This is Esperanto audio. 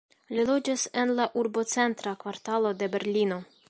Li loĝas en la urbocentra kvartalo de Berlino.